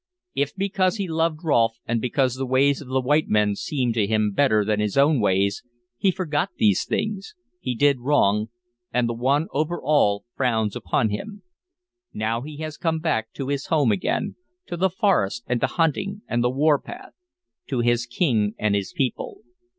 If, because he loved Rolfe, and because the ways of the white men seemed to him better than his own ways, he forgot these things, he did wrong, and the One over All frowns upon him. Now he has come back to his home again, to the forest and the hunting and the warpath, to his king and his people.